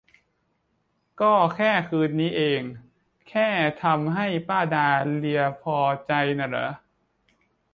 ก็แค่คืนนี้เอง แค่ทำให้ป้าดาเลียพอใจน่ะหรอ